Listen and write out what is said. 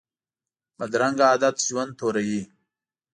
بدرنګه عادت ژوند توروي